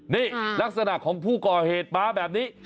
นี่ลักษณะของผู้ก่อเหตุมาแบบนี้